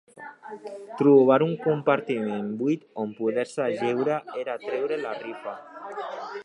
Trobar un compartiment buit on poder-se ajeure era treure la rifa.